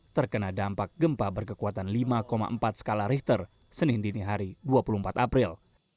terkena dampak gempa berkekuatan lima empat skala richter senin dini hari dua puluh empat april